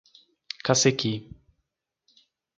Cacequi